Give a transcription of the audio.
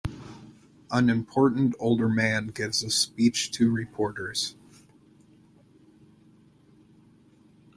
An important older man gives a speech to reporters.